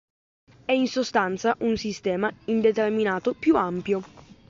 È in sostanza un sistema indeterminato più ampio.